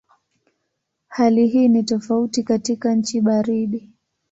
Hali hii ni tofauti katika nchi baridi.